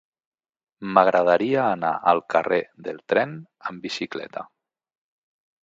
M'agradaria anar al carrer del Tren amb bicicleta.